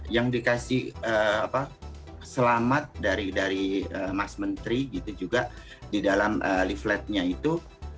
yang dikasih selamat dari mas menteri gitu juga di dalam leafletnya itu